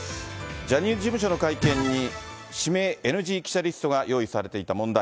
ジャニーズ事務所の会見に、指名ＮＧ記者リストが用意されていた問題。